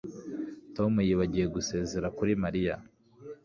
Tom yibagiwe gusezera kuri Mariya